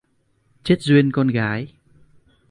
Chết Duyên con gái